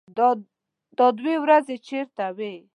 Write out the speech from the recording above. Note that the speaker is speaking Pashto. _دا دوې ورځې چېرته وې؟